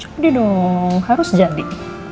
cukup dia dong harus jadi